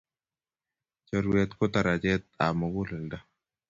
Churuet ko tarachet ab muguleldo